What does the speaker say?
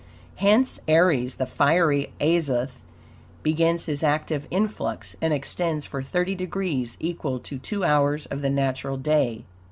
Hence Aries, the fiery Azoth, begins his active influx, and extends for thirty degrees, equal to two hours of the natural day.